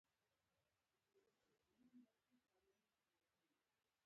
یوه ډله دې مفردې کلمې او بله مرکبې کلمې ولیکي.